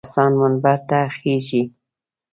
هغه کسان منبر ته خېژي.